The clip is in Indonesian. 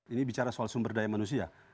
ini bicara soal sumber daya manusia